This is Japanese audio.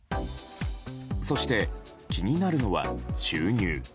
そして、気になるのは収入。